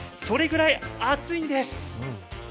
それぐらい熱いんです。